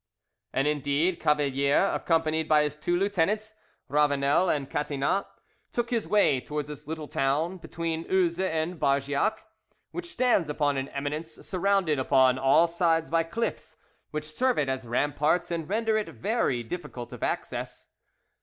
And indeed Cavalier, accompanied by his two lieutenants, Ravanel and Catinat, took his way towards this little town, between Uzes and Bargeac, which stands upon an eminence surrounded upon all sides by cliffs, which serve it as ramparts and render it very difficult of access.